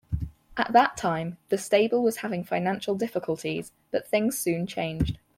At that time, the stable was having financial difficulties but things soon changed.